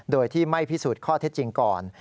โดยที่ไม่พิสูจน์ข้อเท็จจริงก่อน